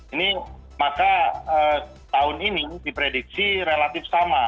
ini maka tahun ini diprediksi relatif sama